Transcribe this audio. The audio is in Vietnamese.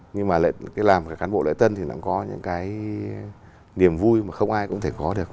nhưng mà làm cán bộ lễ tân thì có những cái niềm vui mà không ai cũng có được